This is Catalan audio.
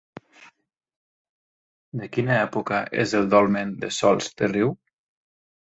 De quina època és el dolmen de Sòls de Riu?